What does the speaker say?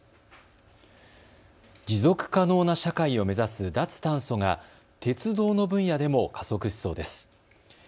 持続可能な社会を目指す脱炭素が鉄道の分野でも加速しそうです。